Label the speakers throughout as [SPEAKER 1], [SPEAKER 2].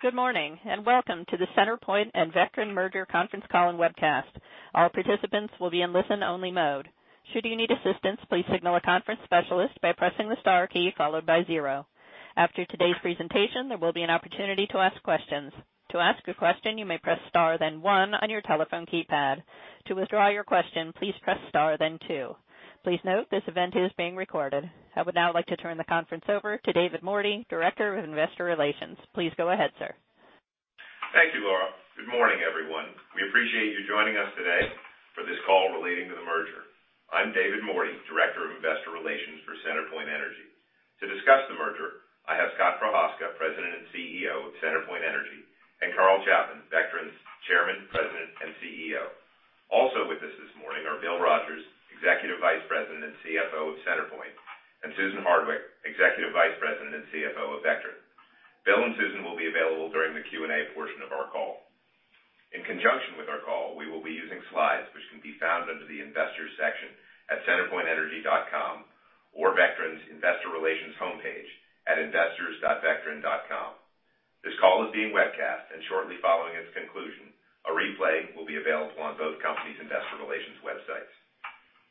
[SPEAKER 1] Good morning, welcome to the CenterPoint and Vectren Merger Conference Call and Webcast. All participants will be in listen only mode. Should you need assistance, please signal a conference specialist by pressing the star key followed by zero. After today's presentation, there will be an opportunity to ask questions. To ask a question, you may press star then One on your telephone keypad. To withdraw your question, please press star then Two. Please note this event is being recorded. I would now like to turn the conference over to David Mordy, Director of Investor Relations. Please go ahead, sir.
[SPEAKER 2] Thank you, Laura. Good morning, everyone. We appreciate you joining us today for this call relating to the merger. I'm David Mordy, Director of Investor Relations for CenterPoint Energy. To discuss the merger, I have Scott Prochazka, President and CEO of CenterPoint Energy, Carl Chapman, Vectren's Chairman, President, and CEO. Also with us this morning are Bill Rogers, Executive Vice President and CFO of CenterPoint, and Susan Hardwick, Executive Vice President and CFO of Vectren. Bill and Susan will be available during the Q&A portion of our call. In conjunction with our call, we will be using slides which can be found under the investors section at centerpointenergy.com or Vectren's investor relations homepage at investors.vectren.com. This call is being webcast, shortly following its conclusion, a replay will be available on both companies' investor relations websites.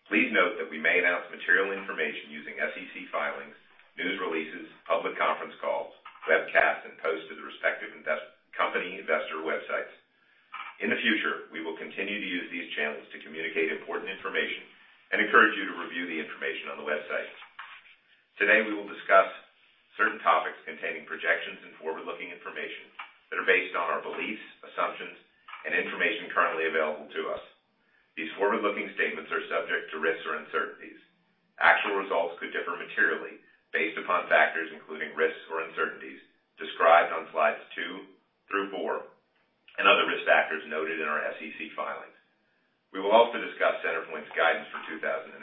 [SPEAKER 2] Please note that we may announce material information using SEC filings, news releases, public conference calls, webcasts, and posts to the respective company investor websites. In the future, we will continue to use these channels to communicate important information and encourage you to review the information on the website. Today, we will discuss certain topics containing projections and forward-looking information that are based on our beliefs, assumptions, and information currently available to us. These forward-looking statements are subject to risks or uncertainties. Actual results could differ materially based upon factors including risks or uncertainties described on slides two through four, other risk factors noted in our SEC filings. We will also discuss CenterPoint's guidance for 2018.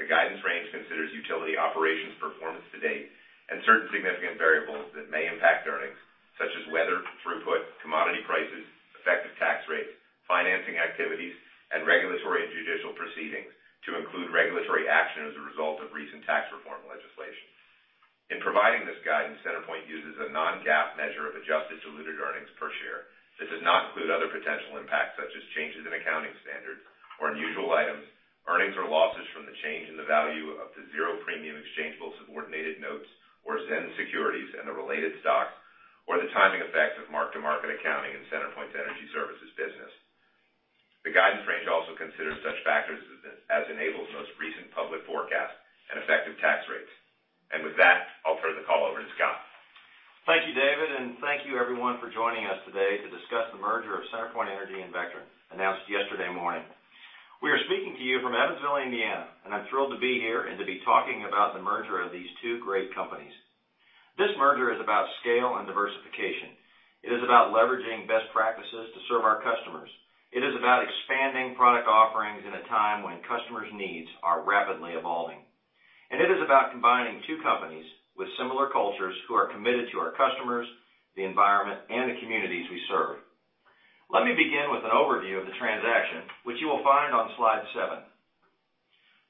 [SPEAKER 2] The guidance range considers utility operations performance to date and certain significant variables that may impact earnings, such as weather, throughput, commodity prices, effective tax rates, financing activities, and regulatory and judicial proceedings to include regulatory action as a result of recent tax reform legislation. In providing this guidance, CenterPoint uses a non-GAAP measure of adjusted diluted earnings per share. This does not include other potential impacts, such as changes in accounting standards or unusual items, earnings or losses from the change in the value of the zero-premium exchangeable subordinated notes or ZEN securities and the related stocks, or the timing effect of mark-to-market accounting in CenterPoint's energy services business. The guidance range also considers such factors as Enable's most recent public forecast and effective tax rates. With that, I'll turn the call over to Scott.
[SPEAKER 3] Thank you, David, and thank you everyone for joining us today to discuss the merger of CenterPoint Energy and Vectren, announced yesterday morning. We are speaking to you from Evansville, Indiana, and I'm thrilled to be here and to be talking about the merger of these two great companies. This merger is about scale and diversification. It is about leveraging best practices to serve our customers. It is about expanding product offerings in a time when customers' needs are rapidly evolving. It is about combining two companies with similar cultures who are committed to our customers, the environment, and the communities we serve. Let me begin with an overview of the transaction, which you will find on slide seven.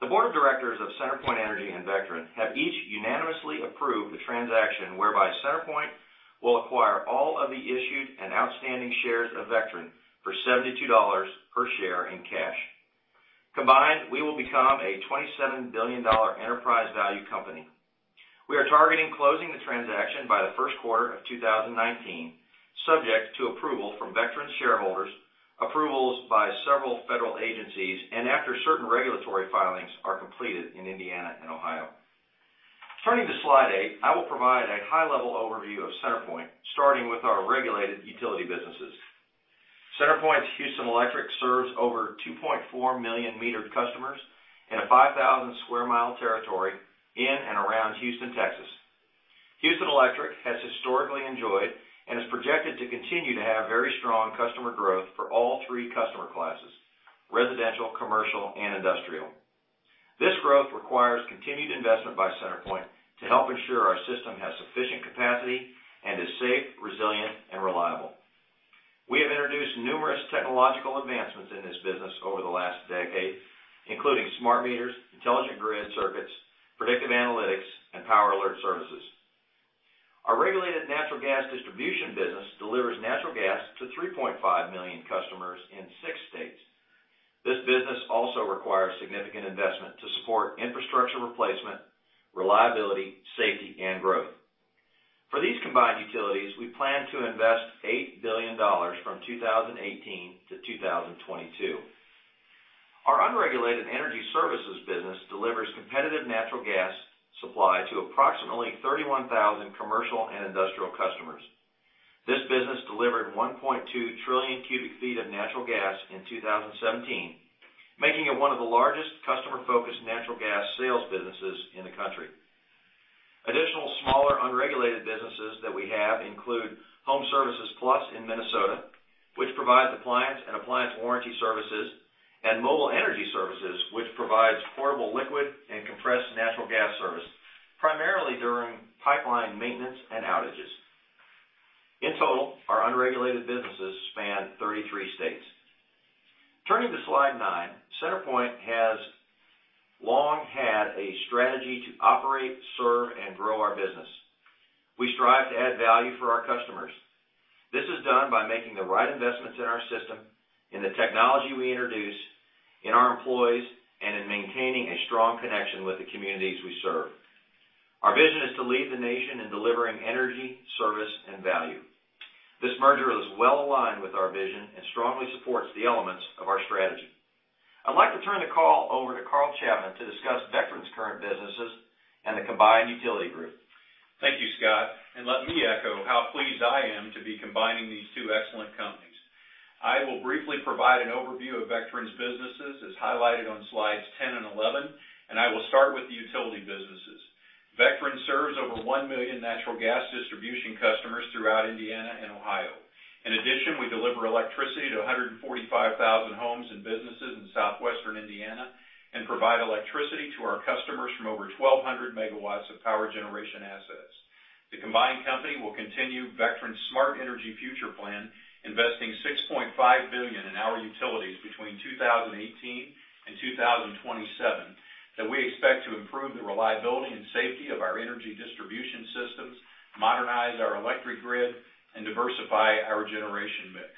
[SPEAKER 3] The board of directors of CenterPoint Energy and Vectren have each unanimously approved the transaction whereby CenterPoint will acquire all of the issued and outstanding shares of Vectren for $72 per share in cash. Combined, we will become a $27 billion enterprise value company. We are targeting closing the transaction by the first quarter of 2019, subject to approval from Vectren's shareholders, approvals by several federal agencies, and after certain regulatory filings are completed in Indiana and Ohio. Turning to slide eight, I will provide a high-level overview of CenterPoint, starting with our regulated utility businesses. CenterPoint's Houston Electric serves over 2.4 million metered customers in a 5,000 square mile territory in and around Houston, Texas. Houston Electric has historically enjoyed and is projected to continue to have very strong customer growth for all 3 customer classes: residential, commercial, and industrial. This growth requires continued investment by CenterPoint to help ensure our system has sufficient capacity and is safe, resilient, and reliable. We have introduced numerous technological advancements in this business over the last decade, including smart meters, intelligent grid circuits, predictive analytics, and Power Alert Services. Our regulated natural gas distribution business delivers natural gas to 3.5 million customers in six states. This business also requires significant investment to support infrastructure replacement, reliability, safety, and growth. For these combined utilities, we plan to invest $8 billion from 2018 to 2022. Our unregulated energy services business delivers competitive natural gas supply to approximately 31,000 commercial and industrial customers. This business delivered 1.2 trillion cubic feet of natural gas in 2017, making it one of the largest customer-focused natural gas sales businesses in the country. Additional smaller unregulated businesses that we have include Home Service Plus in Minnesota, which provides appliance and appliance warranty services, and Mobile Energy Services, which provides portable liquid and compressed natural gas service, primarily during pipeline maintenance and outages. In total, our unregulated businesses span 33 states. Turning to slide nine, CenterPoint has long had a strategy to operate, serve, and grow our business. We strive to add value for our customers. This is done by making the right investments in our system, in the technology we introduce, in our employees, and in maintaining a strong connection with the communities we serve. Our vision is to lead the nation in delivering energy, service, and value. This merger is well-aligned with our vision and strongly supports the elements of our strategy. I'd like to turn the call over to Carl Chapman to discuss Vectren's current businesses and the combined utility group.
[SPEAKER 4] Thank you, Scott, and let me echo how pleased I am to be combining these two excellent companies. I will briefly provide an overview of Vectren's businesses, as highlighted on slides 10 and 11, and I will start with the utility businesses. Vectren serves over 1 million natural gas distribution customers throughout Indiana and Ohio. In addition, we deliver electricity to 145,000 homes and businesses in southwestern Indiana and provide electricity to our customers from over 1,200 megawatts of power generation assets. The combined company will continue Vectren's Smart Energy Future plan, investing $6.5 billion in our utilities between 2018 and 2027, that we expect to improve the reliability and safety of our energy distribution systems, modernize our electric grid, and diversify our generation mix.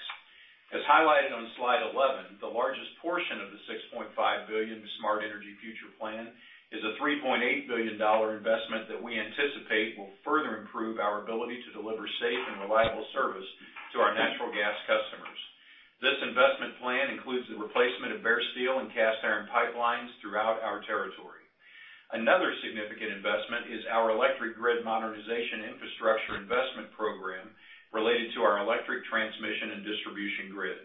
[SPEAKER 4] As highlighted on slide 11, the largest portion of the $6.5 billion Smart Energy Future plan is a $3.8 billion investment that we anticipate will further improve our ability to deliver safe and reliable service to our natural gas customers. This investment plan includes the replacement of bare steel and cast iron pipelines throughout our territory. Another significant investment is our electric grid modernization infrastructure investment program related to our electric transmission and distribution grid.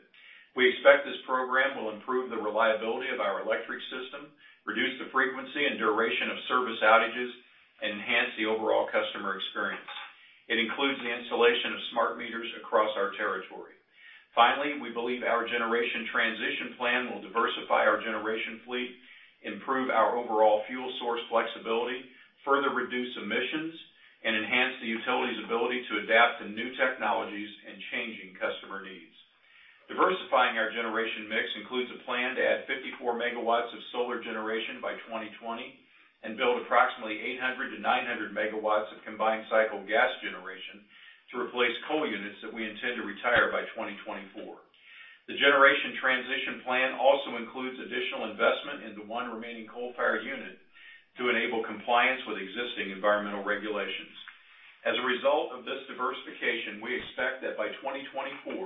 [SPEAKER 4] We expect this program will improve the reliability of our electric system, reduce the frequency and duration of service outages, and enhance the overall customer experience. It includes the installation of smart meters across our territory. Finally, we believe our generation transition plan will diversify our generation fleet, improve our overall fuel source flexibility, further reduce emissions, and enhance the utility's ability to adapt to new technologies and changing customer needs. Diversifying our generation mix includes a plan to add 54 megawatts of solar generation by 2020 and build approximately 800 to 900 megawatts of combined cycle gas generation to replace coal units that we intend to retire by 2024. The generation transition plan also includes additional investment into one remaining coal-fired unit to enable compliance with existing environmental regulations. As a result of this diversification, we expect that by 2024,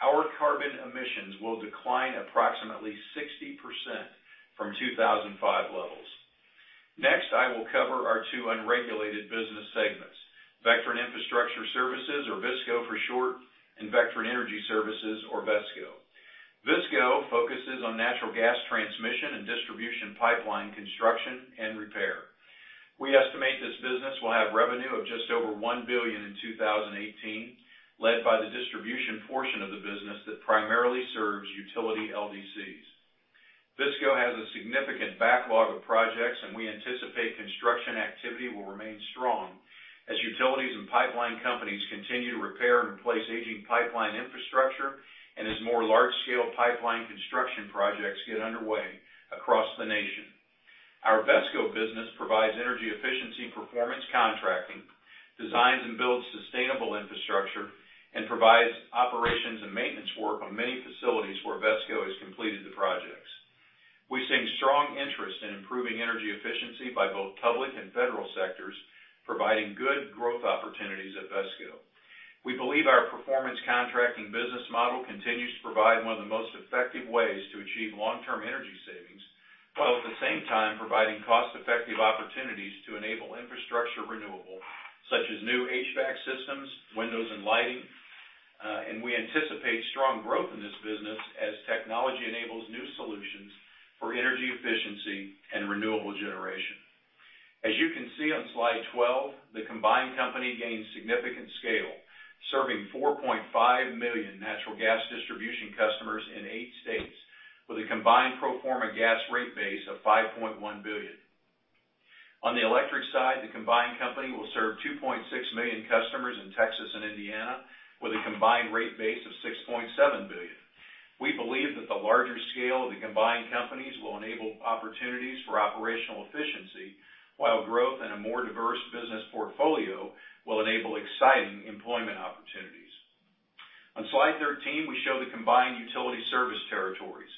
[SPEAKER 4] our carbon emissions will decline approximately 60% from 2005 levels. Next, I will cover our two unregulated business segments, Vectren Infrastructure Services, or VISCO for short, and Vectren Energy Services, or VESCO. VISCO focuses on natural gas transmission and distribution pipeline construction and repair. We estimate this business will have revenue of just over $1 billion in 2018, led by the distribution portion of the business that primarily serves utility LDCs. VISCO has a significant backlog of projects, and we anticipate construction activity will remain strong as utilities and pipeline companies continue to repair and replace aging pipeline infrastructure and as more large-scale pipeline construction projects get underway across the nation. Our VESCO business provides energy efficiency and performance contracting, designs and builds sustainable infrastructure, and provides operations and maintenance work on many facilities where VESCO has completed the projects. We've seen strong interest in improving energy efficiency by both public and federal sectors, providing good growth opportunities at VESCO. We believe our performance contracting business model continues to provide one of the most effective ways to achieve long-term energy savings, while at the same time providing cost-effective opportunities to enable infrastructure renewable, such as new HVAC systems, windows and lighting. We anticipate strong growth in this business as technology enables new solutions for energy efficiency and renewable generation. As you can see on slide 12, the combined company gains significant scale, serving 4.5 million natural gas distribution customers in eight states with a combined pro forma gas rate base of $5.1 billion. On the electric side, the combined company will serve 2.6 million customers in Texas and Indiana with a combined rate base of $6.7 billion. We believe that the larger scale of the combined companies will enable opportunities for operational efficiency, while growth in a more diverse business portfolio will enable exciting employment opportunities. On slide 13, we show the combined utility service territories.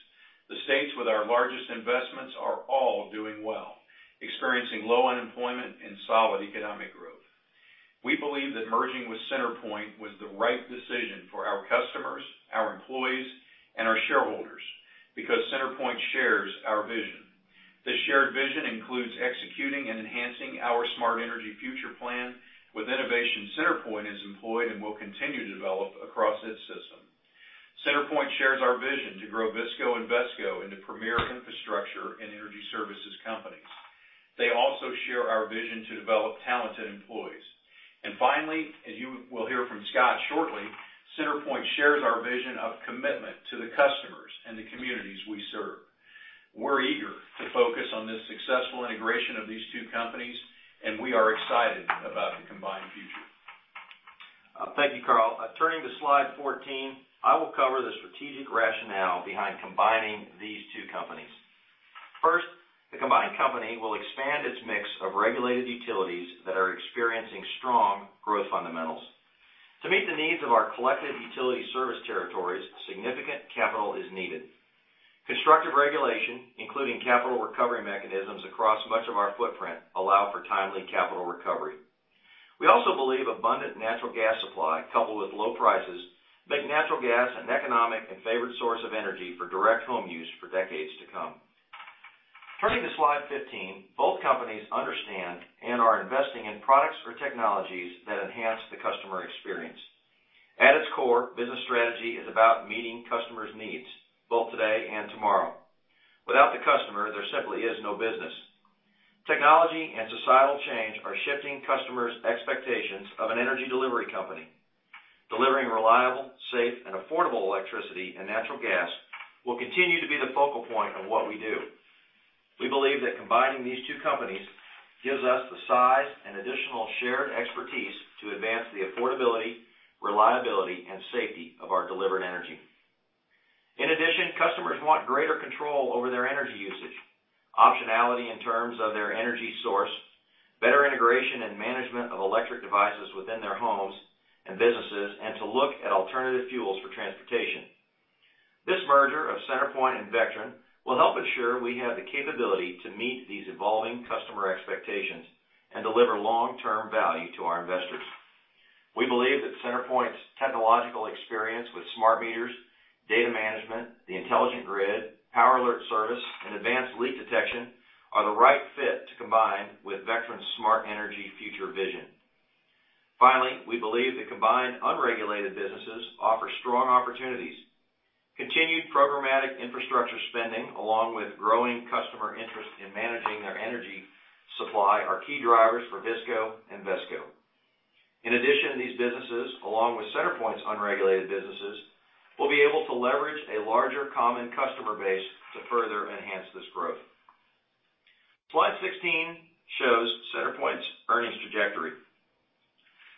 [SPEAKER 4] The states with our largest investments are all doing well, experiencing low unemployment and solid economic growth. We believe that merging with CenterPoint was the right decision for our customers, our employees, and our shareholders because CenterPoint shares our vision. This shared vision includes executing and enhancing our Smart Energy Future plan with innovation CenterPoint has employed and will continue to develop across its system. CenterPoint shares our vision to grow VISCO and VESCO into premier infrastructure and energy services companies. They also share our vision to develop talented employees. Finally, as you will hear from Scott shortly, CenterPoint shares our vision of commitment to the customers and the communities we serve. We're eager to focus on this successful integration of these two companies, and we are excited about the combined future.
[SPEAKER 3] Thank you, Carl. Turning to slide 14, I will cover the strategic rationale behind combining these two companies. First, the combined company will expand its mix of regulated utilities that are experiencing strong growth fundamentals. To meet the needs of our collective utility service territories, significant capital is needed. Constructive regulation, including capital recovery mechanisms across much of our footprint, allow for timely capital recovery. We also believe abundant natural gas supply, coupled with low prices, make natural gas an economic and favored source of energy for direct home use for decades to come. Turning to slide 15, both companies understand and are investing in products or technologies that enhance the customer experience. At its core, business strategy is about meeting customers' needs both today and tomorrow. Without the customer, there simply is no business. Technology and societal change are shifting customers' expectations of an energy delivery company. Delivering reliable, safe, and affordable electricity and natural gas will continue to be the focal point of what we do. We believe that combining these two companies gives us the size and additional shared expertise to advance the affordability, reliability, and safety of our delivered energy. In addition, customers want greater control over their energy usage, optionality in terms of their energy source, better integration and management of electric devices within their homes and businesses, and to look at alternative fuels for transportation. This merger of CenterPoint and Vectren will help ensure we have the capability to meet these evolving customer expectations and deliver long-term value to our investors. We believe that CenterPoint's technological experience with smart meters, data management, the intelligent grid, Power Alert Service, and advanced leak detection are the right fit to combine with Vectren's smart energy future vision. Finally, we believe the combined unregulated businesses offer strong opportunities. Continued programmatic infrastructure spending, along with growing customer interest in managing their energy supply, are key drivers for VISCO and VESCO. In addition to these businesses, along with CenterPoint's unregulated businesses, we will be able to leverage a larger common customer base to further enhance this growth. Slide 16 shows CenterPoint's earnings trajectory.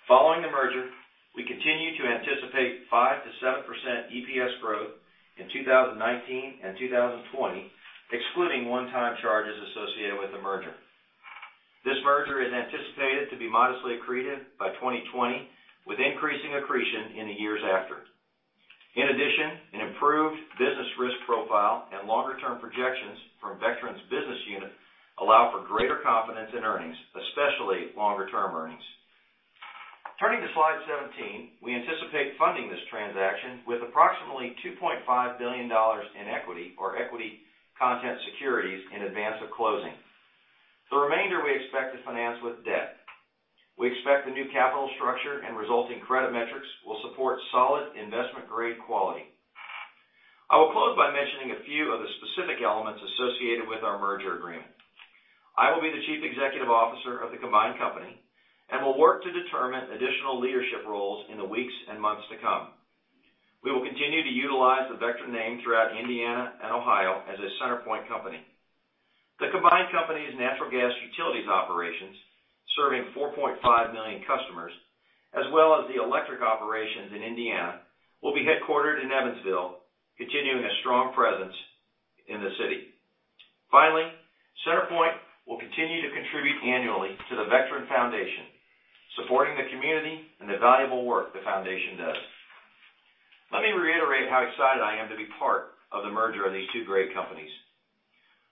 [SPEAKER 3] Following the merger, we continue to anticipate 5%-7% EPS growth in 2019 and 2020, excluding one-time charges associated with the merger. This merger is anticipated to be modestly accretive by 2020, with increasing accretion in the years after. In addition, an improved business risk profile and longer-term projections from Vectren's business unit allow for greater confidence in earnings, especially longer-term earnings. Turning to slide 17, we anticipate funding this transaction with approximately $2.5 billion in equity or equity content securities in advance of closing. The remainder we expect to finance with debt. We expect the new capital structure and resulting credit metrics will support solid investment-grade quality. I will close by mentioning a few of the specific elements associated with our merger agreement. I will be the Chief Executive Officer of the combined company and will work to determine additional leadership roles in the weeks and months to come. We will continue to utilize the Vectren name throughout Indiana and Ohio as a CenterPoint company. The combined company's natural gas utilities operations, serving 4.5 million customers, as well as the electric operations in Indiana, will be headquartered in Evansville, continuing a strong presence in the city. Finally, CenterPoint will continue to contribute annually to the Vectren Foundation, supporting the community and the valuable work the foundation does. Let me reiterate how excited I am to be part of the merger of these two great companies.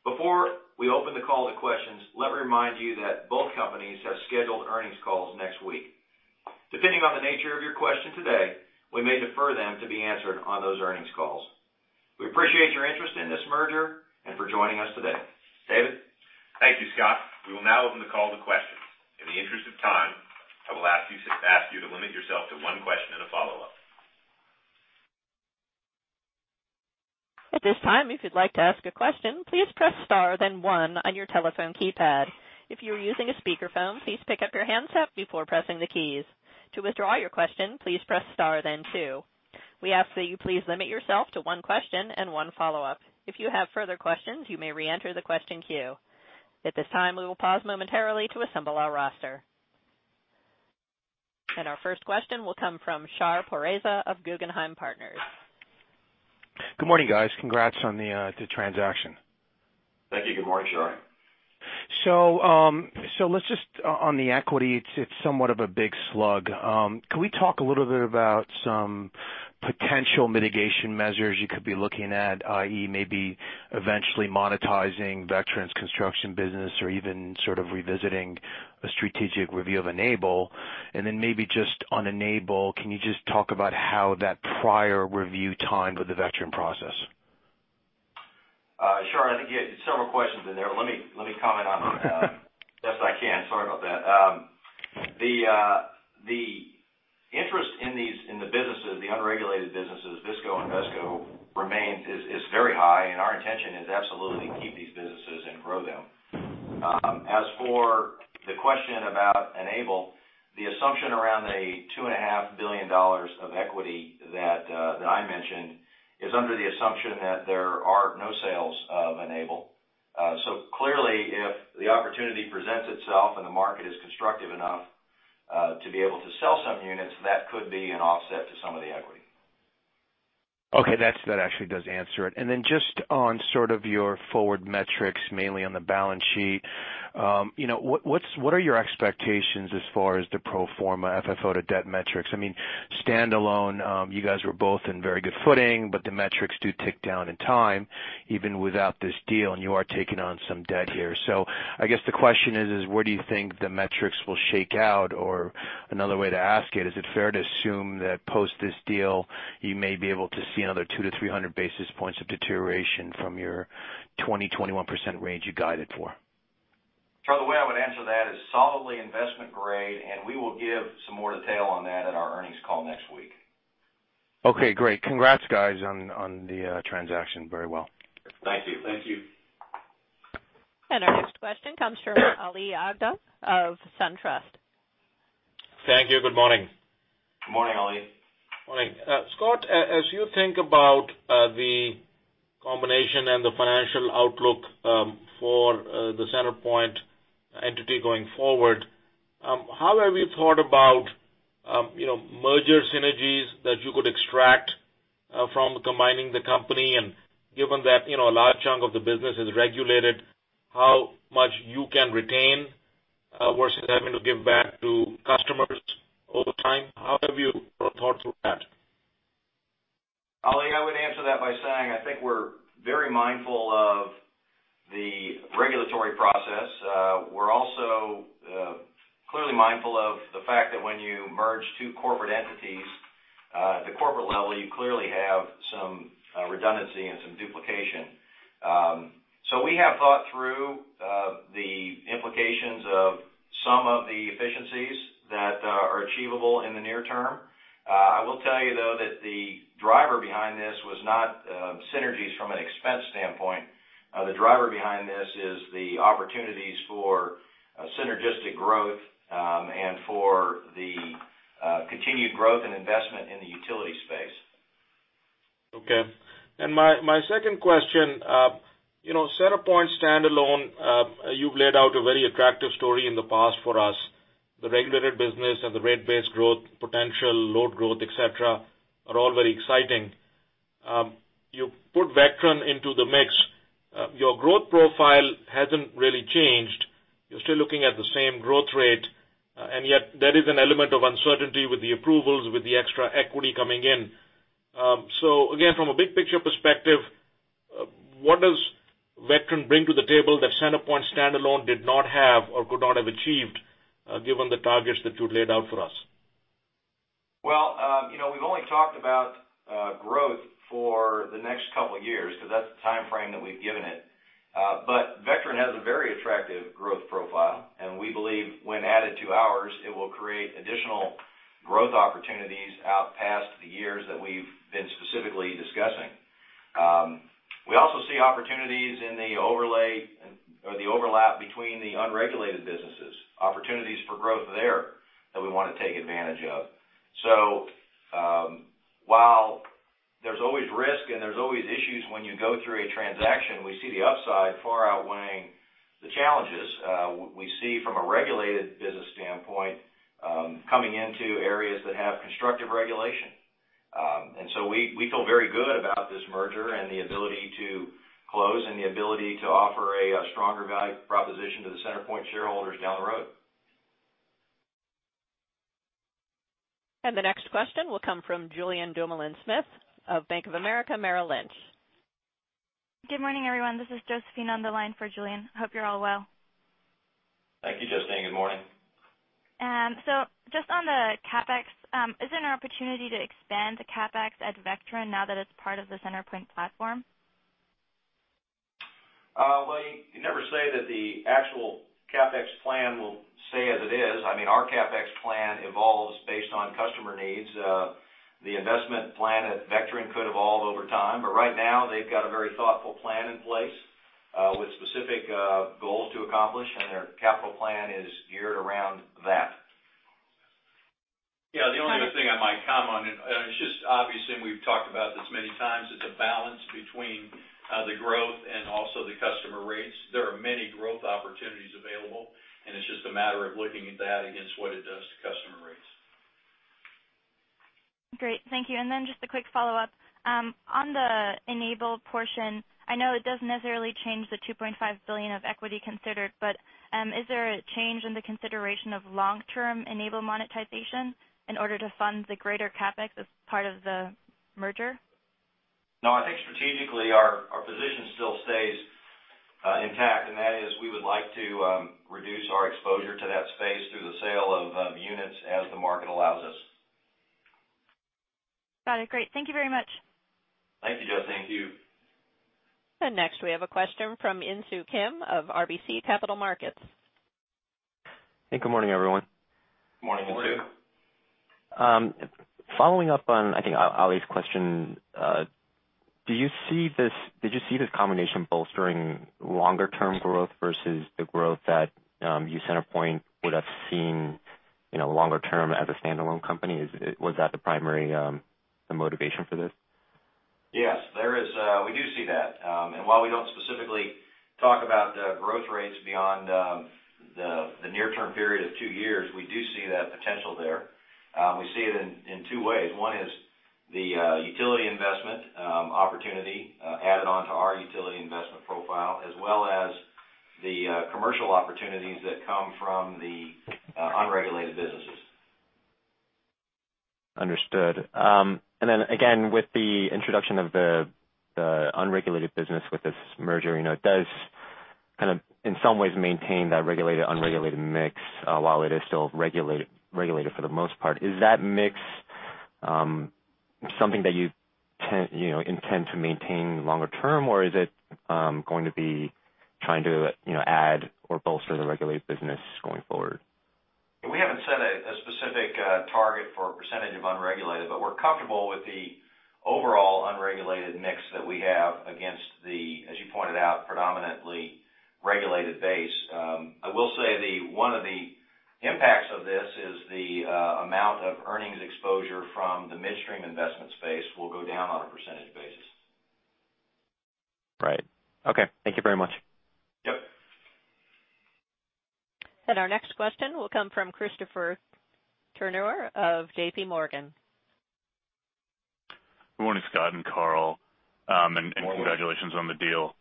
[SPEAKER 3] Before we open the call to questions, let me remind you that both companies have scheduled earnings calls next week. Depending on the nature of your question today, we may defer them to be answered on those earnings calls. We appreciate your interest in this merger and for joining us today. David?
[SPEAKER 2] Thank you, Scott. We will now open the call to questions. In the interest of time, I will ask you to limit yourself to one question and a follow-up.
[SPEAKER 1] At this time, if you'd like to ask a question, please press star then one on your telephone keypad. If you are using a speakerphone, please pick up your handset before pressing the keys. To withdraw your question, please press star then two. We ask that you please limit yourself to one question and one follow-up. If you have further questions, you may reenter the question queue. At this time, we will pause momentarily to assemble our roster. Our first question will come from Shar Pourreza of Guggenheim Partners.
[SPEAKER 5] Good morning, guys. Congrats on the transaction.
[SPEAKER 3] Thank you. Good morning, Shar.
[SPEAKER 5] Let's on the equity, it's somewhat of a big slug. Can we talk a little bit about some potential mitigation measures you could be looking at, i.e., maybe eventually monetizing Vectren's construction business or even sort of revisiting a strategic review of Enable? Maybe just on Enable, can you just talk about how that prior review timed with the Vectren process?
[SPEAKER 3] Shar, I think you had several questions in there. Let me comment best I can. Sorry about that. The interest in the unregulated businesses, VISCO and VESCO remains very high, and our intention is absolutely to keep these businesses and grow them. As for the question about Enable, the assumption around the $2.5 billion of equity that I mentioned is under the assumption that there are no sales of Enable. Clearly, if the opportunity presents itself and the market is constructive enough to be able to sell some units, that could be an offset to some of the equity.
[SPEAKER 5] Okay. That actually does answer it. Then just on sort of your forward metrics, mainly on the balance sheet, what are your expectations as far as the pro forma FFO to debt metrics? Standalone, you guys were both in very good footing, the metrics do tick down in time even without this deal, and you are taking on some debt here. I guess the question is: where do you think the metrics will shake out? Another way to ask it, is it fair to assume that post this deal, you may be able to see another 200-300 basis points of deterioration from your 20%-21% range you guided for?
[SPEAKER 3] Shar, the way I would answer that is solidly investment grade, we will give some more detail on that at our earnings call next week.
[SPEAKER 5] Okay, great. Congrats guys on the transaction. Very well.
[SPEAKER 3] Thank you.
[SPEAKER 4] Thank you.
[SPEAKER 1] Our next question comes from Ali Agha of SunTrust.
[SPEAKER 6] Thank you. Good morning.
[SPEAKER 3] Good morning, Ali.
[SPEAKER 6] Morning. Scott, as you think about the combination and the financial outlook for the CenterPoint entity going forward, how have you thought about merger synergies that you could extract from combining the company? Given that a large chunk of the business is regulated, how much you can retain versus having to give back to customers over time? How have you thought through that?
[SPEAKER 3] Ali, I would answer that by saying, I think we're very mindful of the regulatory process. We're also clearly mindful of the fact that when you merge two corporate entities at the corporate level, you clearly have some redundancy and some duplication. We have thought through the implications of some of the efficiencies that are achievable in the near term. I will tell you, though, that the driver behind this was not synergies from an expense standpoint. The driver behind this is the opportunities for synergistic growth, and for the continued growth and investment in the utility space.
[SPEAKER 6] Okay. My second question. CenterPoint standalone, you've laid out a very attractive story in the past for us. The regulated business and the rate base growth potential, load growth, et cetera, are all very exciting. You put Vectren into the mix. Your growth profile hasn't really changed. You're still looking at the same growth rate, and yet there is an element of uncertainty with the approvals, with the extra equity coming in. Again, from a big picture perspective, what does Vectren bring to the table that CenterPoint standalone did not have or could not have achieved given the targets that you laid out for us?
[SPEAKER 3] Well, we've only talked about growth for the next couple of years because that's the timeframe that we've given it. Vectren has a very attractive growth profile, and we believe when added to ours, it will create additional growth opportunities out past the years that we've been specifically discussing. We also see opportunities in the overlay or the overlap between the unregulated businesses, opportunities for growth there that we want to take advantage of. While there's always risk and there's always issues when you go through a transaction, we see the upside far outweighing the challenges we see from a regulated business standpoint coming into areas that have constructive regulation. We feel very good about this merger and the ability to close and the ability to offer a stronger value proposition to the CenterPoint shareholders down the road.
[SPEAKER 1] The next question will come from Julien Dumoulin-Smith of Bank of America Merrill Lynch.
[SPEAKER 7] Good morning, everyone. This is Josephine on the line for Julien. Hope you're all well.
[SPEAKER 3] Thank you, Josephine. Good morning.
[SPEAKER 7] Just on the CapEx, is there an opportunity to expand the CapEx at Vectren now that it's part of the CenterPoint platform?
[SPEAKER 3] You never say that the actual CapEx plan will stay as it is. Our CapEx plan evolves based on customer needs. The investment plan at Vectren could evolve over time, but right now they've got a very thoughtful plan in place with specific goals to accomplish, and their capital plan is geared around that.
[SPEAKER 4] The only other thing I might comment on, and it's just obviously, and we've talked about this many times, it's a balance between the growth and also the customer rates. There are many growth opportunities available, and it's just a matter of looking at that against what it does to customer rates.
[SPEAKER 7] Great. Thank you. Just a quick follow-up. On the Enable portion, I know it doesn't necessarily change the $2.5 billion of equity considered, but is there a change in the consideration of long-term Enable monetization in order to fund the greater CapEx as part of the merger?
[SPEAKER 3] I think strategically our position still stays intact, that is we would like to reduce our exposure to that space through the sale of units as the market allows us.
[SPEAKER 7] Got it. Great. Thank you very much.
[SPEAKER 3] Thank you, Josephine.
[SPEAKER 4] Thank you.
[SPEAKER 1] Next we have a question from Insoo Kim of RBC Capital Markets.
[SPEAKER 8] Hey, good morning, everyone.
[SPEAKER 3] Morning, Insoo.
[SPEAKER 4] Good morning.
[SPEAKER 8] Following up on, I think, Ali's question, did you see this combination bolstering longer term growth versus the growth that you, CenterPoint, would have seen longer term as a standalone company? Was that the primary motivation for this?
[SPEAKER 3] Yes. We do see that. While we don't specifically talk about the growth rates beyond the near term period of two years, we do see that potential there. We see it in two ways. One is the utility investment opportunity added on to our utility investment profile, as well as the commercial opportunities that come from the unregulated businesses.
[SPEAKER 8] Understood. Then again, with the introduction of the unregulated business with this merger, it does in some ways maintain that regulated, unregulated mix while it is still regulated for the most part. Is that mix something that you intend to maintain longer term, or is it going to be trying to add or bolster the regulated business going forward?
[SPEAKER 3] We haven't set a specific target for a percentage of unregulated, but we're comfortable with the overall unregulated mix that we have against the, as you pointed out, predominantly regulated base. I will say one of the impacts of this is the amount of earnings exposure from the midstream investment space will go down on a percentage basis.
[SPEAKER 8] Right. Okay. Thank you very much.
[SPEAKER 3] Yep.
[SPEAKER 1] Our next question will come from Christopher Turnure of JPMorgan.
[SPEAKER 9] Good morning, Scott and Carl.
[SPEAKER 3] Good morning.
[SPEAKER 9] Congratulations on the deal.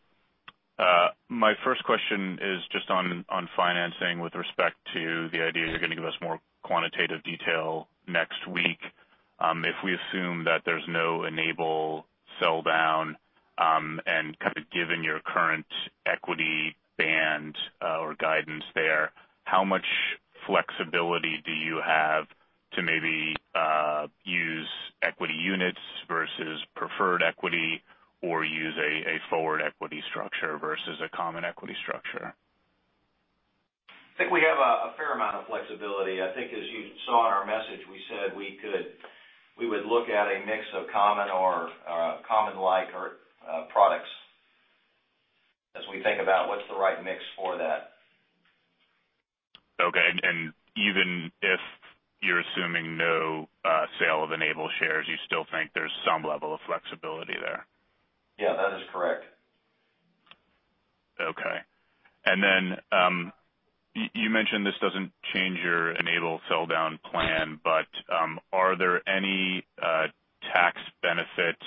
[SPEAKER 9] My first question is just on financing with respect to the idea you're going to give us more quantitative detail next week. If we assume that there's no Enable sell down, and kind of given your current equity band or guidance there, how much flexibility do you have to maybe use equity units versus preferred equity, or use a forward equity structure versus a common equity structure?
[SPEAKER 3] I think we have a fair amount of flexibility. I think as you saw in our message, we said we would look at a mix of common or common-like products as we think about what's the right mix for that.
[SPEAKER 9] Okay. Even if you're assuming no sale of Enable shares, you still think there's some level of flexibility there?
[SPEAKER 3] Yeah, that is correct.
[SPEAKER 9] Okay. You mentioned this doesn't change your Enable sell down plan, are there any tax benefits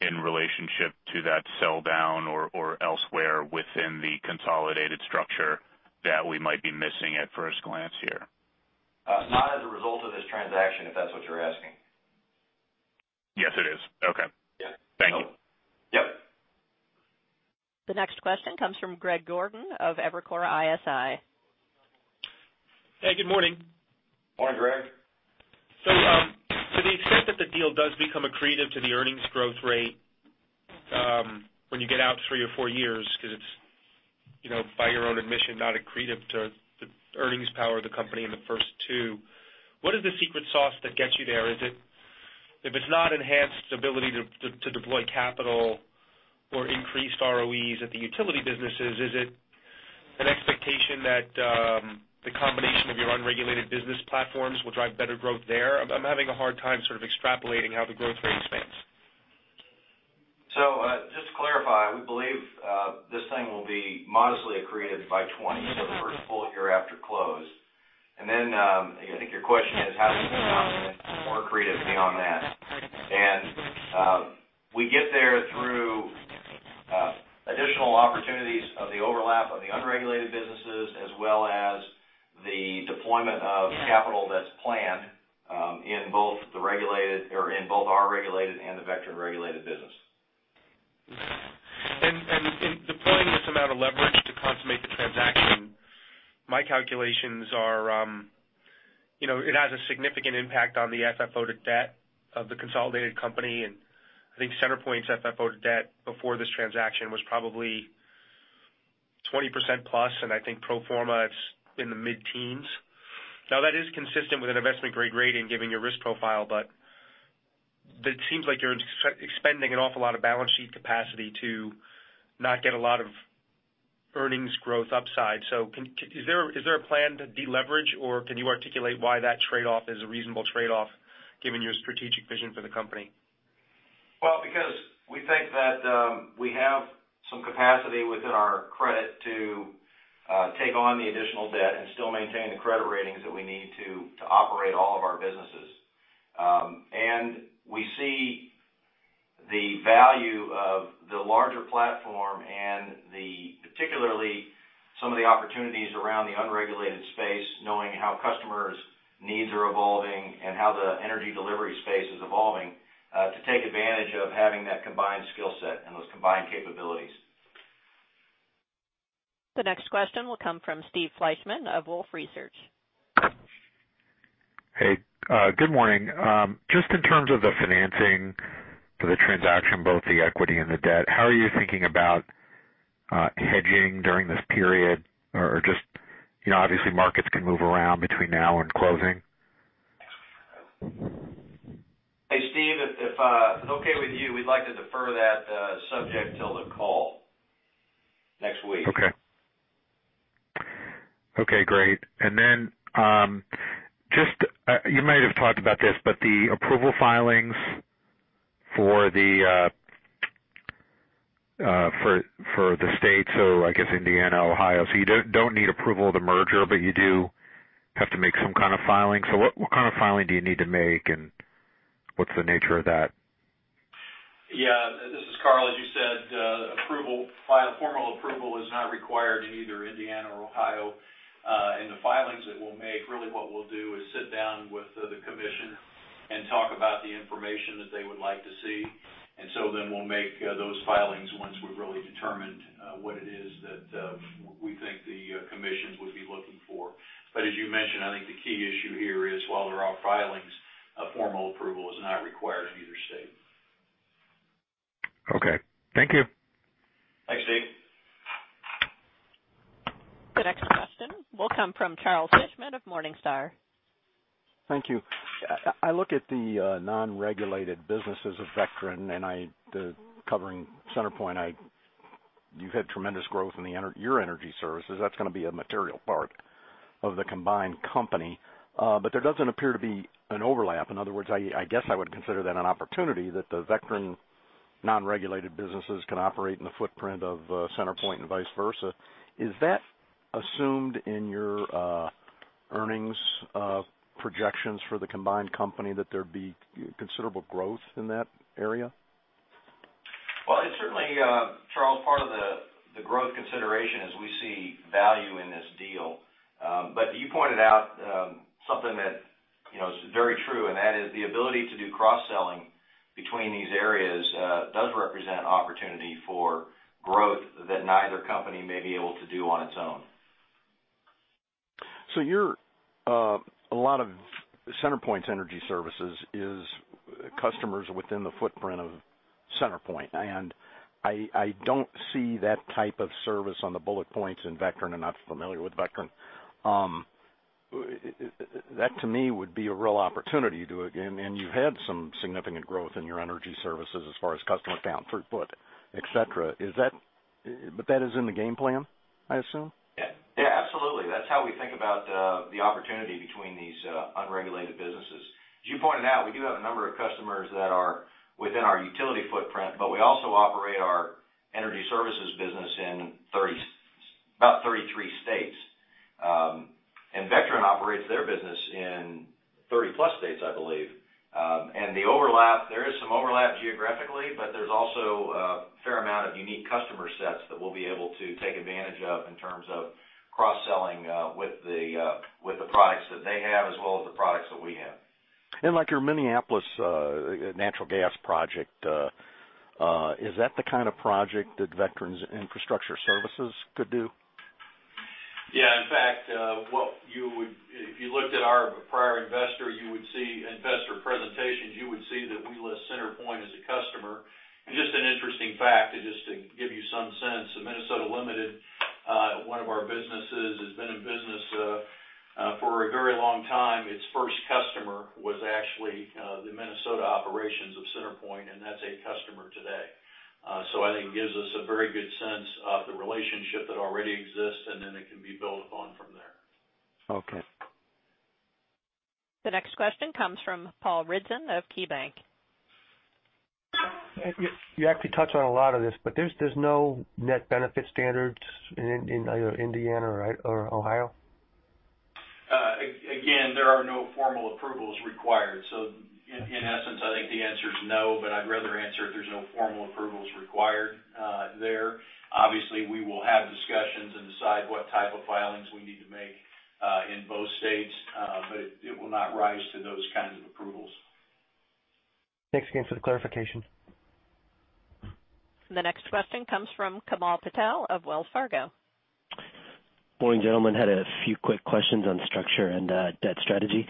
[SPEAKER 9] in relationship to that sell down or elsewhere within the consolidated structure that we might be missing at first glance here?
[SPEAKER 3] Not as a result of this transaction, if that's what you're asking.
[SPEAKER 9] Yes, it is. Okay.
[SPEAKER 3] Yeah.
[SPEAKER 9] Thank you.
[SPEAKER 3] Yep.
[SPEAKER 1] The next question comes from Greg Gordon of Evercore ISI.
[SPEAKER 10] Hey, good morning.
[SPEAKER 3] Morning, Greg.
[SPEAKER 10] To the extent that the deal does become accretive to the earnings growth rate when you get out three or four years, because it's by your own admission not accretive to the earnings power of the company in the first two, what is the secret sauce that gets you there? If it's not enhanced ability to deploy capital or increased ROEs at the utility businesses, is it an expectation that the combination of your unregulated business platforms will drive better growth there? I'm having a hard time extrapolating how the growth rate expands.
[SPEAKER 3] Just to clarify, we believe this thing will be modestly accretive by 2020, so the first full year after close. I think your question is how does it become more accretive beyond that? We get there through additional opportunities of the overlap of the unregulated businesses, as well as the deployment of capital that's planned in both our regulated and the Vectren regulated business.
[SPEAKER 10] In deploying this amount of leverage to consummate the transaction, my calculations are it has a significant impact on the FFO to debt of the consolidated company. I think CenterPoint's FFO to debt before this transaction was probably 20%+, and I think pro forma it's in the mid-teens. That is consistent with an investment grade rating given your risk profile, it seems like you're expending an awful lot of balance sheet capacity to not get a lot of earnings growth upside. Is there a plan to de-leverage, or can you articulate why that trade-off is a reasonable trade-off given your strategic vision for the company?
[SPEAKER 3] Because we think that we have some capacity within our credit to take on the additional debt and still maintain the credit ratings that we need to operate all of our businesses. We see the value of the larger platform and particularly some of the opportunities around the unregulated space, knowing how customers' needs are evolving and how the energy delivery space is evolving, to take advantage of having that combined skill set and those combined capabilities.
[SPEAKER 1] The next question will come from Steve Fleishman of Wolfe Research.
[SPEAKER 11] Hey, good morning. Just in terms of the financing for the transaction, both the equity and the debt, how are you thinking about hedging during this period? Obviously markets can move around between now and closing.
[SPEAKER 3] Hey, Steve, if it's okay with you, we'd like to defer that subject till the call.
[SPEAKER 11] Okay, great. You might have talked about this, but the approval filings for the states, I guess Indiana, Ohio. You don't need approval of the merger, but you do have to make some kind of filing. What kind of filing do you need to make, and what's the nature of that?
[SPEAKER 4] Yeah. This is Carl. As you said, formal approval is not required in either Indiana or Ohio. The filings that we'll make, really what we'll do is sit down with the commission and talk about the information that they would like to see. We'll make those filings once we've really determined what it is that we think the commissions would be looking for. As you mentioned, I think the key issue here is, while there are filings, a formal approval is not required in either state.
[SPEAKER 11] Okay. Thank you.
[SPEAKER 4] Thanks, Steve.
[SPEAKER 1] The next question will come from Charles Fishman of Morningstar.
[SPEAKER 12] Thank you. I look at the non-regulated business as a Vectren, and covering CenterPoint, you've had tremendous growth in your energy services. That's going to be a material part of the combined company. There doesn't appear to be an overlap. In other words, I guess I would consider that an opportunity that the Vectren non-regulated businesses can operate in the footprint of CenterPoint and vice versa. Is that assumed in your earnings projections for the combined company that there'd be considerable growth in that area?
[SPEAKER 4] It's certainly, Charles, part of the growth consideration as we see value in this deal. You pointed out something that is very true, and that is the ability to do cross-selling between these areas does represent opportunity for growth that neither company may be able to do on its own.
[SPEAKER 12] A lot of CenterPoint's energy services is customers within the footprint of CenterPoint. I don't see that type of service on the bullet points in Vectren. I'm not familiar with Vectren. That to me would be a real opportunity to do it. You've had some significant growth in your energy services as far as customer count, footprint, et cetera. That is in the game plan, I assume?
[SPEAKER 3] Yeah, absolutely. That's how we think about the opportunity between these unregulated businesses. As you pointed out, we do have a number of customers that are within our utility footprint, but we also operate our energy services business in about 33 states. Vectren operates their business in 30-plus states, I believe. There is some overlap geographically, but there's also a fair amount of unique customer sets that we'll be able to take advantage of in terms of cross-selling with the products that they have as well as the products that we have.
[SPEAKER 12] Like your Minneapolis natural gas project, is that the kind of project that Vectren Infrastructure Services could do?
[SPEAKER 4] Yeah. In fact, if you looked at our prior investor presentations, you would see that we list CenterPoint as a customer. Just an interesting fact, just to give you some sense of Minnesota Limited, one of our businesses has been in business for a very long time. Its first customer was actually the Minnesota operations of CenterPoint, and that's a customer today. I think it gives us a very good sense of the relationship that already exists, and then it can be built upon from there.
[SPEAKER 12] Okay.
[SPEAKER 1] The next question comes from Paul Ridzon of KeyBanc.
[SPEAKER 13] You actually touched on a lot of this, there's no net benefit standards in either Indiana or Ohio?
[SPEAKER 4] Again, there are no formal approvals required. In essence, I think the answer is no, I'd rather answer it there's no formal approvals required there. Obviously, we will have discussions and decide what type of filings we need to make in both states, it will not rise to those kinds of approvals.
[SPEAKER 13] Thanks again for the clarification.
[SPEAKER 1] The next question comes from Kamal Patel of Wells Fargo.
[SPEAKER 14] Morning, gentlemen. Had a few quick questions on structure and debt strategy.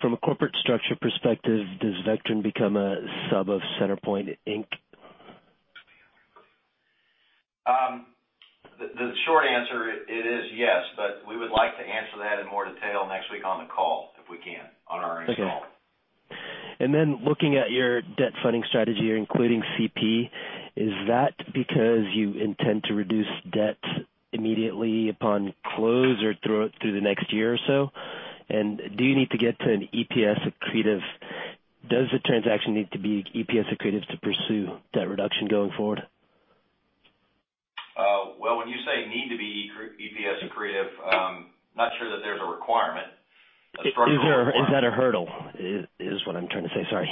[SPEAKER 14] From a corporate structure perspective, does Vectren become a sub of CenterPoint Inc?
[SPEAKER 3] The short answer, it is yes. We would like to answer that in more detail next week on the call, if we can, on our earnings call.
[SPEAKER 14] Okay. Looking at your debt funding strategy, including CP, is that because you intend to reduce debt immediately upon close or through the next year or so? Do you need to get to an EPS accretive? Does the transaction need to be EPS accretive to pursue debt reduction going forward?
[SPEAKER 3] Well, when you say need to be EPS accretive, I'm not sure that there's a requirement.
[SPEAKER 14] Is that a hurdle, is what I'm trying to say? Sorry.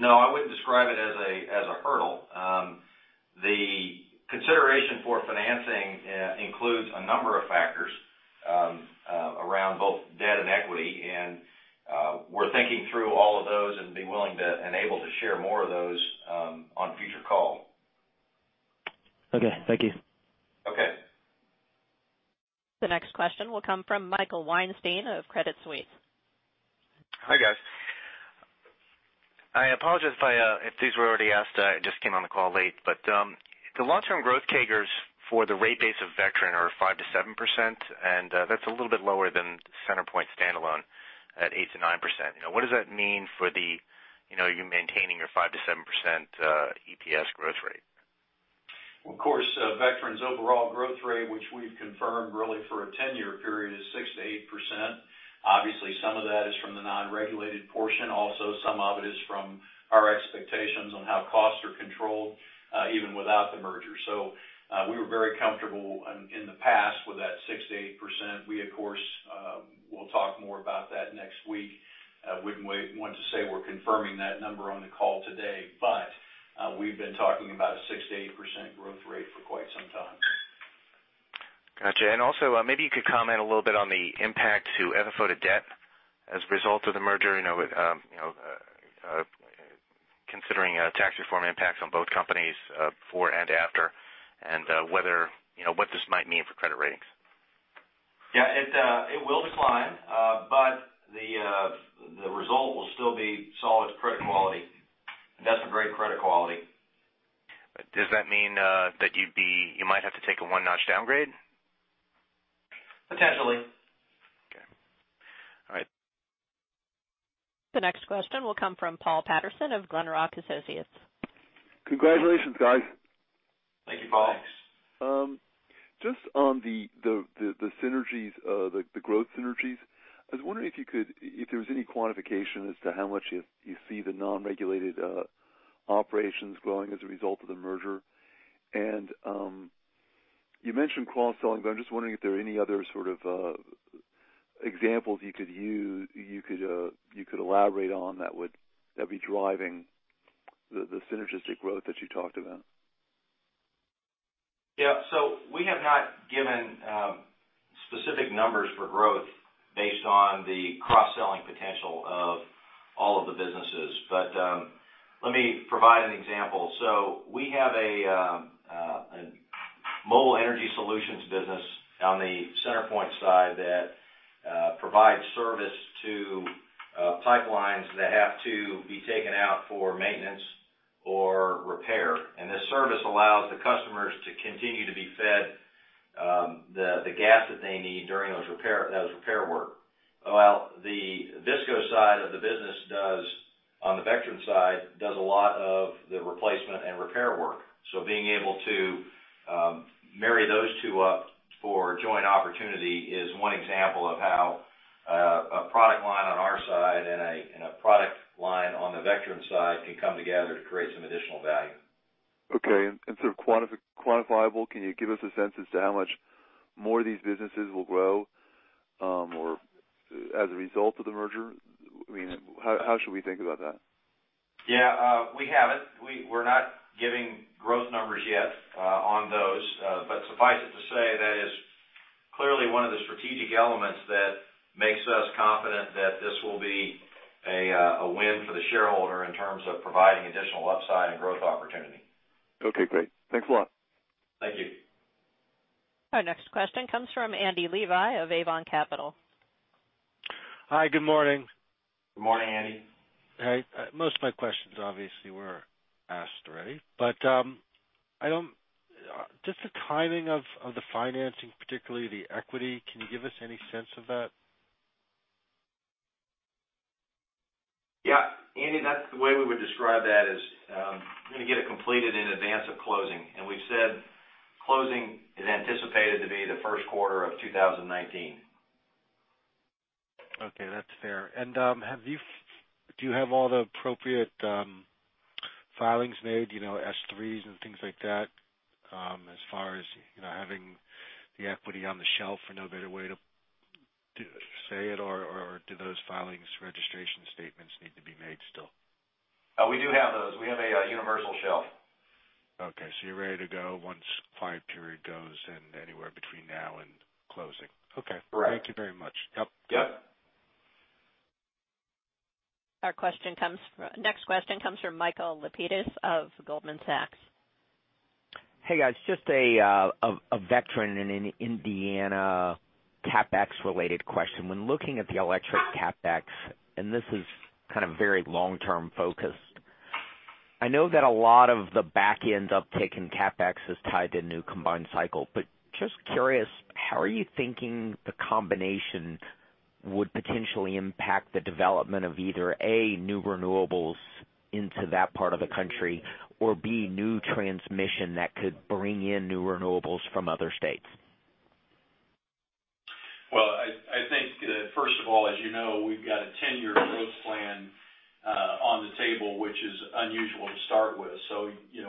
[SPEAKER 3] No, I wouldn't describe it as a hurdle. The consideration for financing includes a number of factors around both debt and equity, and we're thinking through all of those and be willing to and able to share more of those on a future call.
[SPEAKER 14] Okay. Thank you.
[SPEAKER 3] Okay.
[SPEAKER 1] The next question will come from Michael Weinstein of Credit Suisse.
[SPEAKER 15] Hi, guys. I apologize if these were already asked. I just came on the call late. The long-term growth CAGRs for the rate base of Vectren are 5%-7%, and that's a little bit lower than CenterPoint standalone. At 8%-9%. What does that mean for you maintaining your 5%-7% EPS growth rate?
[SPEAKER 4] Of course, Vectren's overall growth rate, which we've confirmed really for a 10-year period, is 6%-8%. Obviously, some of that is from the non-regulated portion. Some of it is from our expectations on how costs are controlled even without the merger. We were very comfortable in the past with that 6%-8%. We, of course, will talk more about that next week. Wouldn't want to say we're confirming that number on the call today. We've been talking about a 6%-8% growth rate for quite some time.
[SPEAKER 15] Got you. Also, maybe you could comment a little bit on the impact to FFO to debt as a result of the merger, considering tax reform impacts on both companies before and after, and what this might mean for credit ratings.
[SPEAKER 3] Yeah, it will decline, the result will still be solid credit quality, that's a great credit quality.
[SPEAKER 15] Does that mean that you might have to take a one-notch downgrade?
[SPEAKER 3] Potentially.
[SPEAKER 15] Okay. All right.
[SPEAKER 1] The next question will come from Paul Patterson of Glenrock Associates.
[SPEAKER 16] Congratulations, guys.
[SPEAKER 3] Thank you, Paul.
[SPEAKER 4] Thanks.
[SPEAKER 16] Just on the synergies, the growth synergies, I was wondering if there was any quantification as to how much you see the non-regulated operations growing as a result of the merger. You mentioned cross-selling, but I'm just wondering if there are any other sort of examples you could use, you could elaborate on that would be driving the synergistic growth that you talked about.
[SPEAKER 3] We have not given specific numbers for growth based on the cross-selling potential of all of the businesses. Let me provide an example. We have a Mobile Energy Services business on the CenterPoint side that provides service to pipelines that have to be taken out for maintenance or repair, and this service allows the customers to continue to be fed the gas that they need during those repair work. The VISCO side of the business on the Vectren side, does a lot of the replacement and repair work. Being able to marry those two up for joint opportunity is one example of how a product line on our side and a product line on the Vectren side can come together to create some additional value.
[SPEAKER 16] Okay. Sort of quantifiable, can you give us a sense as to how much more these businesses will grow as a result of the merger? How should we think about that?
[SPEAKER 3] Yeah. We haven't. We're not giving growth numbers yet on those. Suffice it to say, that is clearly one of the strategic elements that makes us confident that this will be a win for the shareholder in terms of providing additional upside and growth opportunity.
[SPEAKER 16] Okay, great. Thanks a lot.
[SPEAKER 3] Thank you.
[SPEAKER 1] Our next question comes from Andy Levi of Avon Capital.
[SPEAKER 17] Hi, good morning.
[SPEAKER 3] Good morning, Andy.
[SPEAKER 17] Hey. Most of my questions obviously were asked already, but just the timing of the financing, particularly the equity, can you give us any sense of that?
[SPEAKER 3] Yeah. Andy, that's the way we would describe that is we're going to get it completed in advance of closing. We've said closing is anticipated to be the first quarter of 2019.
[SPEAKER 17] Okay, that's fair. Do you have all the appropriate filings made, S-3s and things like that as far as having the equity on the shelf for no better way to say it, or do those filings, registration statements need to be made still?
[SPEAKER 3] We do have those. We have a universal shelf.
[SPEAKER 17] Okay, you're ready to go once the [filing period] goes and anywhere between now and closing. Okay.
[SPEAKER 3] Correct.
[SPEAKER 17] Thank you very much. Yep.
[SPEAKER 3] Yep.
[SPEAKER 1] Our next question comes from Michael Lapides of Goldman Sachs.
[SPEAKER 18] Hey, guys. Just a Vectren and an Indiana CapEx related question. When looking at the electric CapEx, and this is kind of very long-term focused, I know that a lot of the back end uptick in CapEx is tied to new combined cycle, but just curious, how are you thinking the combination would potentially impact the development of either, A, new renewables into that part of the country, or B, new transmission that could bring in new renewables from other states?
[SPEAKER 4] Well, I think first of all, as you know, we've got a 10-year growth plan on the table, which is unusual to start with.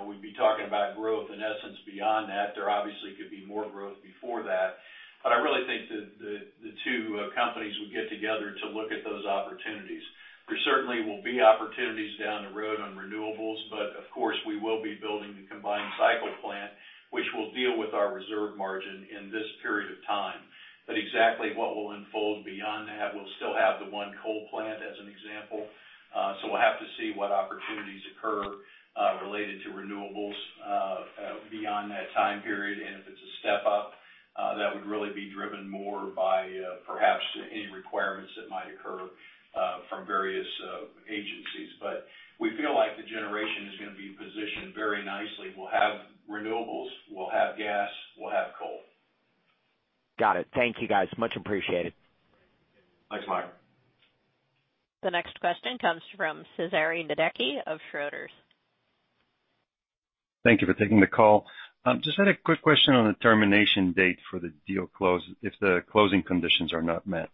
[SPEAKER 4] We'd be talking about growth in essence beyond that. There obviously could be more growth before that. I really think the two companies would get together to look at those opportunities. There certainly will be opportunities down the road on renewables, but of course, we will be building the combined cycle plant, which will deal with our reserve margin in this period of time. Exactly what will unfold beyond that, we'll still have the one coal plant as an example. We'll have to see what opportunities occur related to renewables beyond that time period. If it's a step up, that would really be driven more by perhaps any requirements that might occur From various agencies. We feel like the generation is going to be positioned very nicely. We'll have renewables, we'll have gas, we'll have coal.
[SPEAKER 18] Got it. Thank you, guys. Much appreciated.
[SPEAKER 4] Thanks, Mike.
[SPEAKER 1] The next question comes from Cezary Nadecki of Schroders.
[SPEAKER 19] Thank you for taking the call. Just had a quick question on the termination date for the deal close if the closing conditions are not met.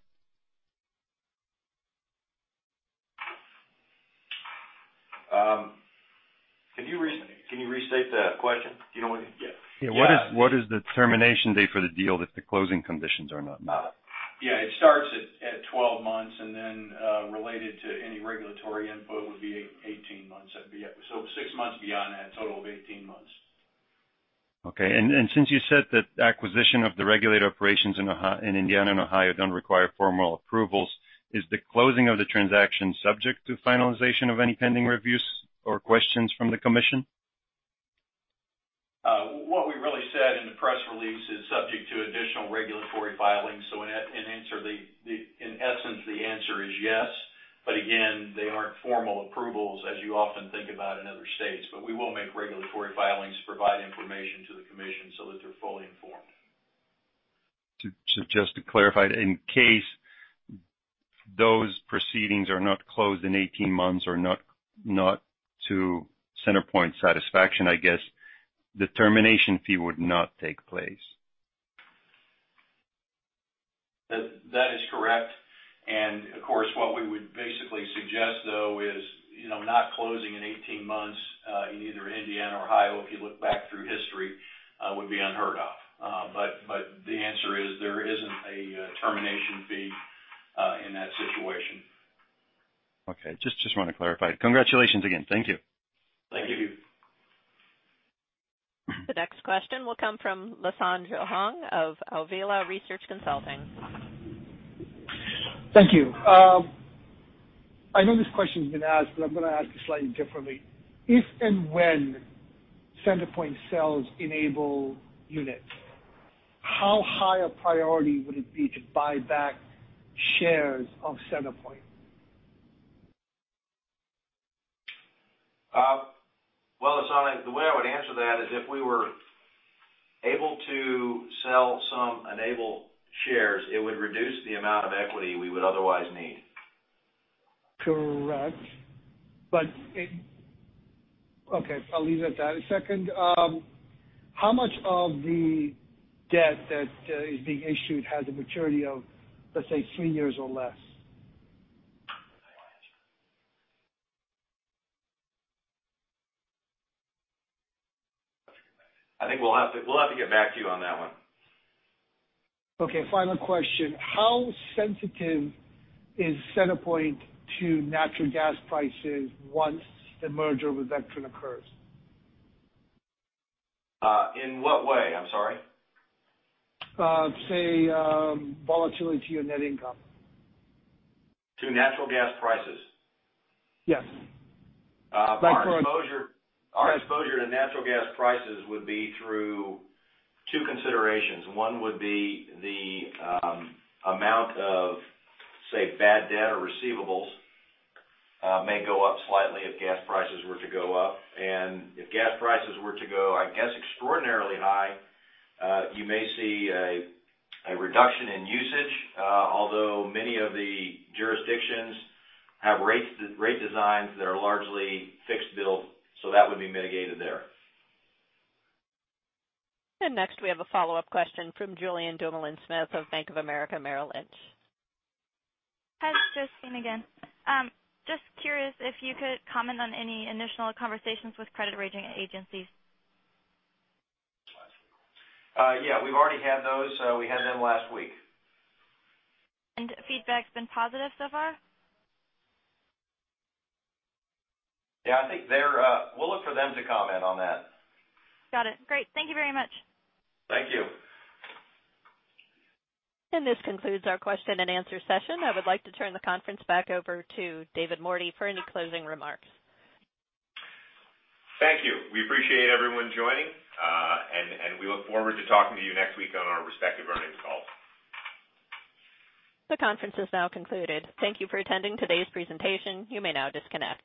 [SPEAKER 4] Can you restate the question?
[SPEAKER 19] Yeah. What is the termination date for the deal if the closing conditions are not met?
[SPEAKER 3] It starts at 12 months and then related to any regulatory input would be 18 months. Six months beyond that, a total of 18 months.
[SPEAKER 19] Since you said that acquisition of the regulated operations in Indiana and Ohio don't require formal approvals, is the closing of the transaction subject to finalization of any pending reviews or questions from the commission?
[SPEAKER 3] What we really said in the press release is subject to additional regulatory filings. In essence, the answer is yes. Again, they aren't formal approvals as you often think about in other states. We will make regulatory filings to provide information to the commission so that they're fully informed.
[SPEAKER 19] Just to clarify, in case those proceedings are not closed in 18 months or not to CenterPoint satisfaction, I guess the termination fee would not take place.
[SPEAKER 3] That is correct. Of course, what we would basically suggest though is, not closing in 18 months, in either Indiana or Ohio, if you look back through history, would be unheard of. The answer is there isn't a termination fee in that situation.
[SPEAKER 19] Okay. Just want to clarify. Congratulations again. Thank you.
[SPEAKER 4] Thank you.
[SPEAKER 1] The next question will come from Lasan Johong of Avila Research Consulting.
[SPEAKER 20] Thank you. I know this question's been asked, but I'm going to ask it slightly differently. If and when CenterPoint sells Enable units, how high a priority would it be to buy back shares of CenterPoint?
[SPEAKER 3] Well, Lasan, the way I would answer that is if we were able to sell some Enable shares, it would reduce the amount of equity we would otherwise need.
[SPEAKER 20] Correct. Okay, I'll leave it at that a second. How much of the debt that is being issued has a maturity of, let's say, three years or less?
[SPEAKER 3] I think we'll have to get back to you on that one.
[SPEAKER 20] Okay. Final question. How sensitive is CenterPoint to natural gas prices once the merger with Vectren occurs?
[SPEAKER 3] In what way? I'm sorry.
[SPEAKER 20] Say, volatility to your net income.
[SPEAKER 3] To natural gas prices?
[SPEAKER 20] Yes.
[SPEAKER 3] Our exposure to natural gas prices would be through two considerations. One would be the amount of, say, bad debt or receivables may go up slightly if gas prices were to go up. If gas prices were to go, I guess, extraordinarily high, you may see a reduction in usage. Many of the jurisdictions have rate designs that are largely fixed bill, so that would be mitigated there.
[SPEAKER 1] Next we have a follow-up question from Julien Dumoulin-Smith of Bank of America Merrill Lynch.
[SPEAKER 7] Hi, it's Josephine again. Just curious if you could comment on any initial conversations with credit rating agencies.
[SPEAKER 3] Yeah, we've already had those. We had them last week.
[SPEAKER 7] Feedback's been positive so far?
[SPEAKER 3] Yeah, we'll look for them to comment on that.
[SPEAKER 7] Got it. Great. Thank you very much.
[SPEAKER 3] Thank you.
[SPEAKER 1] This concludes our question and answer session. I would like to turn the conference back over to David Mordy for any closing remarks.
[SPEAKER 2] Thank you. We appreciate everyone joining. We look forward to talking to you next week on our respective earnings call.
[SPEAKER 1] The conference is now concluded. Thank you for attending today's presentation. You may now disconnect.